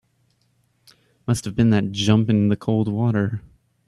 Must have been that jump in the cold water.